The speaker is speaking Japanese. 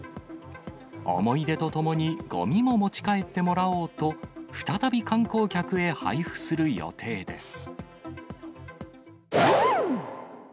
思い出とともに、ごみも持ち帰ってもらおうと、再び観光客へ配布する予定です。